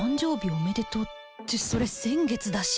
おめでとうってそれ先月だし